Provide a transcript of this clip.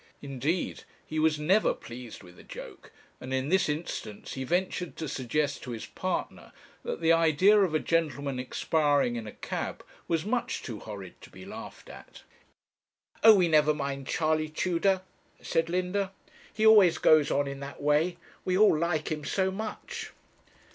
Indeed, he was never pleased with a joke, and in this instance he ventured to suggest to his partner that the idea of a gentleman expiring in a cab was much too horrid to be laughed at. 'Oh, we never mind Charley Tudor,' said Linda; 'he always goes on in that way. We all like him so much.'